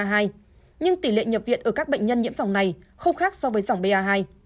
nhưng tỷ lệ nhập viện ở các bệnh nhân nhiễm dòng này không khác so với dòng ba hai